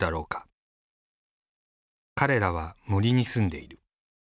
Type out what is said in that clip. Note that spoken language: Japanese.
彼らは森に住んでいる。